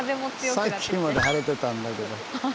さっきまで晴れてたんだけど。